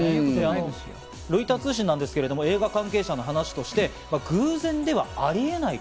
ロイター通信ですけど映画関係者の話として偶然ではありえない。